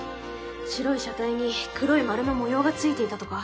白い車体に黒い丸の模様がついていたとか。